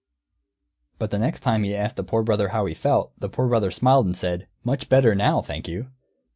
But the next time he asked the Poor Brother how he felt, the Poor Brother smiled and said, "Much better now, thank you."